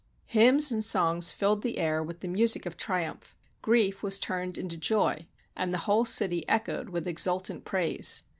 Hymns and songs filled the air with the music of triumph. Grief was turned into joy, and the whole city echoed with exultant praise.